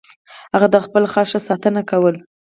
هغه د خپل خر ښه ساتنه کوله.